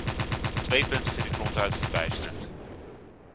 Twee punten vind ik ronduit verbijsterend.